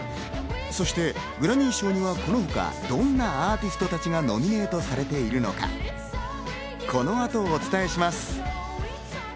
そしてグラミー賞にはこのほかどんなアーティストたちがノミネートされているのか、この後、お伝えします。